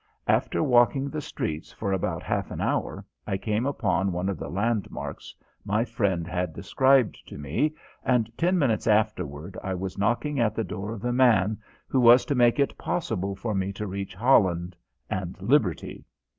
After walking the streets for about half an hour I came upon one of the landmarks my friend had described to me, and ten minutes afterward I was knocking at the door of the man who was to make it possible for me to reach Holland and liberty.